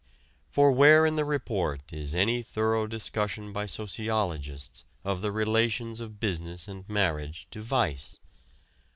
For where in the report is any thorough discussion by sociologists of the relations of business and marriage to vice?